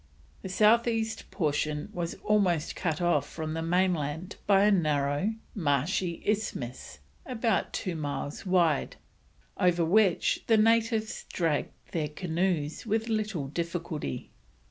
The south east portion was almost cut off from the mainland by a narrow, marshy isthmus about two miles wide, over which the natives dragged their canoes with little difficulty.